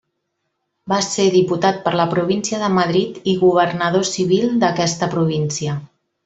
Va ser diputat per la província de Madrid i governador civil d'aquesta província.